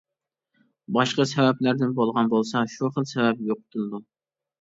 باشقا سەۋەبلەردىن بولغان بولسا، شۇ خىل سەۋەب يوقىتىلىدۇ.